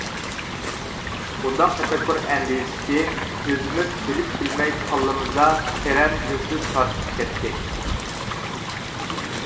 بۇنداق تەپەككۇر ئەندىزىسى ئۆزىمىز بىلىپ-بىلمەي كاللىمىزدا تىرەن يىلتىز تارتىپ كەتتى.